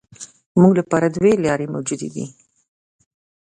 زموږ لپاره درې لارې موجودې دي.